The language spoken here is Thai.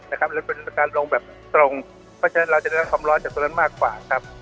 หรือเป็นการลงแบบตรงเพราะฉะนั้นเราจะได้รับความร้อนจากตรงนั้นมากกว่าครับ